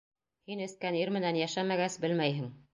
Һин эскән ир менән йәшәмәгәс, белмәйһең.